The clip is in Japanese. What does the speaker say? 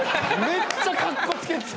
めっちゃかっこつけてた。